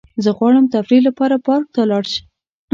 زه غواړم تفریح لپاره پارک ته لاړ شم.